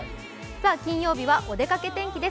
金曜日はおでかけ天気です。